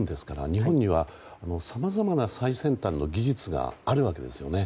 日本には、さまざまな最先端な技術があるわけですよね。